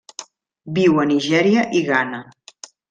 Viu a Nigèria i Ghana.